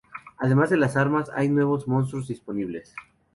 Además de las armas, hay nuevos monstruos disponibles.